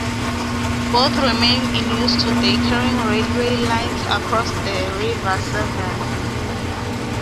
Both remain in use today carrying railway lines across the River Severn.